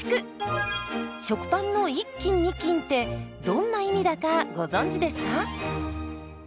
食パンの１斤２斤ってどんな意味だかご存じですか？